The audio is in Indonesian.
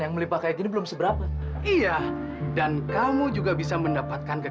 yang penting anak kita dipiksa dulu sama dokter ma